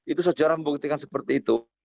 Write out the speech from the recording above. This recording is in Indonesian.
itu sejarah membuktikan seperti itu